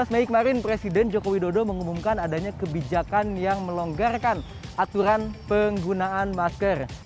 tujuh belas mei kemarin presiden joko widodo mengumumkan adanya kebijakan yang melonggarkan aturan penggunaan masker